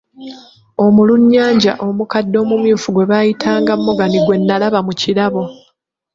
Omulunnyanja omukadde omumyufu gwe baayitanga Morgan gwe nalaba mu kirabo.